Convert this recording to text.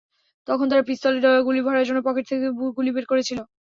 তখন তারা পিস্তলে গুলি ভরার জন্য পকেট থেকে গুলি বের করছিল।